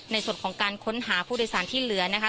ในส่วนของการค้นหาผู้โดยสารที่เหลือนะคะ